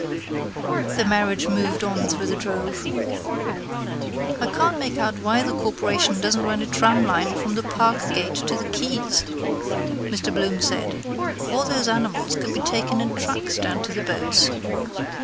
The carriage moved on through the drove. —I can't make out why the corporation doesn't run a tramline from the parkgate to the quays, Mr Bloom said. All those animals could be taken in trucks down to the boats.